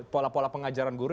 pola pola pengajaran guru